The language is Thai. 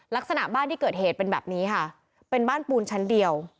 ลักษณะบ้านที่เกิดเหตุเป็นแบบนี้ค่ะเป็นบ้านปูนชั้นเดียว